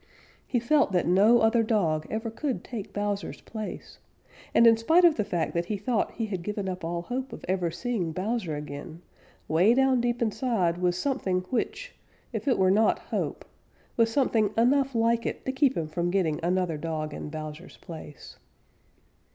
He felt that no other dog ever could take Bowser's place, and in spite of the fact that he thought he had given up all hope of ever seeing Bowser again, 'way down deep inside was something which, if it were not hope, was something enough like it to keep him from getting another dog in Bowser's place.